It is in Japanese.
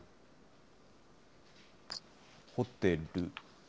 ホテル。